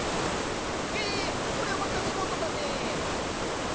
へえこりゃまた見事だね！